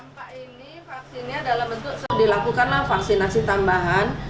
pak ini vaksinnya dalam bentuk dilakukanlah vaksinasi tambahan